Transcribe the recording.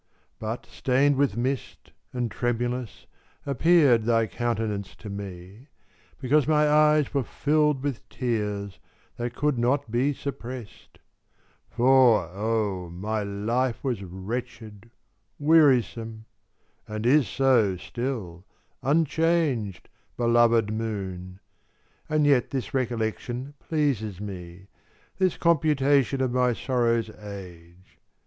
But stained with mist, and tremulous, appeared Thy countenance to me, because my eyes Were filled with tears, that could not be suppressed; For, oh, my life was wretched, wearisome, And is so still, unchanged, belovèd moon! And yet this recollection pleases me, This computation of my sorrow's age.